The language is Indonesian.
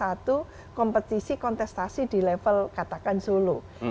ya kita tidak disuguhi satu kompetisi kontestasi di level katakan sukses